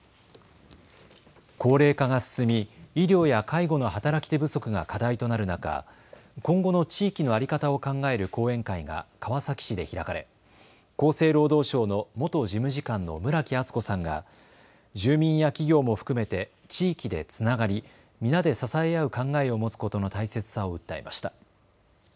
高齢化が進み医療や介護の働き手不足が課題となる中、今後の地域の在り方を考える講演会が川崎市で開かれ厚生労働省の元事務次官の村木厚子さんが住民や企業も含めて地域でつながり皆で支え合う考えを持つことの大切さを訴えました。